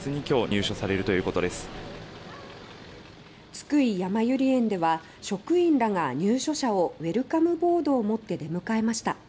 「津久井やまゆり園」では職員らが入所者をウェルカムボードを持って出迎えました。